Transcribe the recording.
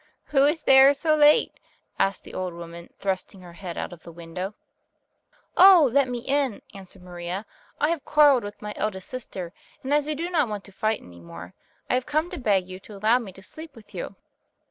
"Who is there so late?" asked the old woman, thrusting her head out of the window. "Oh, let me in," answered Maria. "I have quarrelled with my eldest sister, and as I do not want to fight any more, I have come to beg you to allow me to sleep with you."